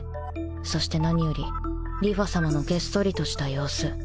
そして何より梨花さまのげっそりとした様子